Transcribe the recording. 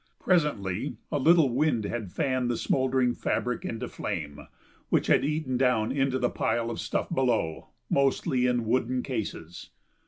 Presently a little wind had fanned the smouldering fabric into flame, which had eaten down into the pile of stuff below, mostly in wooden cases.